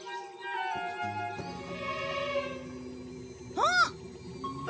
あっ！